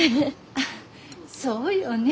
あぁそうよね。